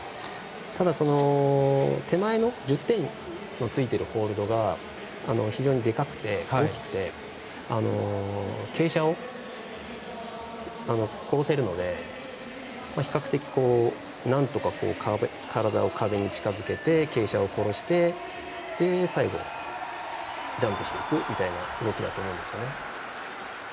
ただ、手前の１０点のついているホールドが非常に大きくて傾斜をこぼせるので比較的、なんとか体を壁に近づけて傾斜を殺して最後、ジャンプしていくみたいな動きだと思うんですね。